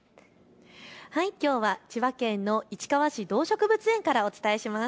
きょうは千葉県の市川市動植物園からお伝えします。